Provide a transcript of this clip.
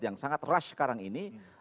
yang sangat rush sekarang ini